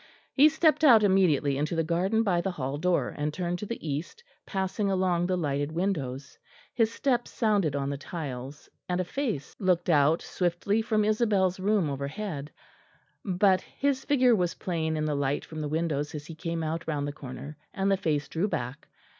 He stepped out immediately into the garden by the hall door, and turned to the east, passing along the lighted windows. His step sounded on the tiles, and a face looked out swiftly from Isabel's room overhead; but his figure was plain in the light from the windows as he came out round the corner; and the face drew back.